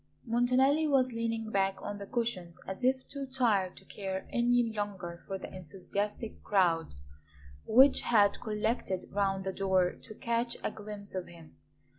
Montanelli was leaning back on the cushions as if too tired to care any longer for the enthusiastic crowd which had collected round the door to catch a glimpse of him.